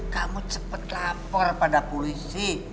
kamu cepat lapor pada polisi